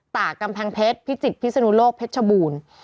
ตากกำแพงเพชรพิจิตรพิศนุโลกเพชรชบูรณ์